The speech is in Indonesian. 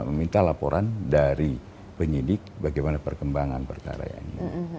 meminta laporan dari penyidik bagaimana perkembangan perkara ini